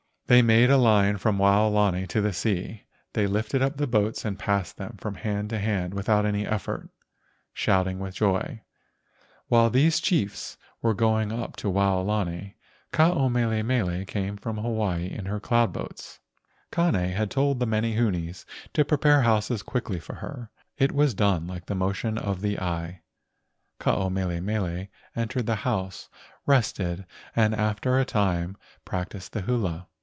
They made a line from Waolani to the sea. They lifted up the boats and passed them from hand to hand without any effort, shouting with joy. While these chiefs were going up to Waolani, THE MAID OF THE GOLDEN CLOUD 145 Ke ao mele mele came from Hawaii in her cloud boats. Kane had told the menehunes to prepare houses quickly for her. It was done like the motion of the eye. Ke ao mele mele entered her house, rested, and after a time practised the hula.